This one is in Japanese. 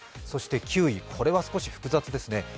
そして９位、これは少し複雑ですね。